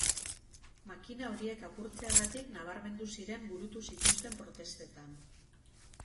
Makina horiek apurtzeagatik nabarmendu ziren burutu zituzten protestetan.